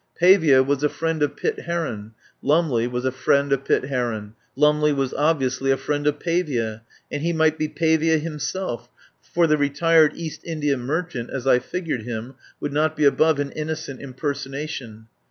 Pavia was a friend of Pitt Heron, Lumley was a friend of Pitt Heron ; Lumley was obviously a friend of Pavia, and he might be Pavia himself, for the retired East India merchant, as I figured him, would not be above an innocent impersonation.